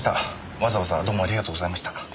わざわざどうもありがとうございました。